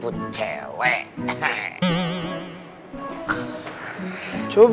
udah sekarang aku makan